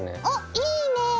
おっいいね！